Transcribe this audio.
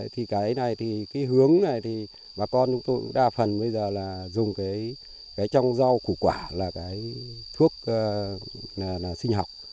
thì cái này thì cái hướng này thì bà con chúng tôi đa phần bây giờ là dùng cái trong rau củ quả là cái thuốc sinh học